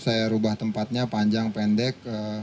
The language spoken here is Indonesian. saya rubah tempatnya panjang pendek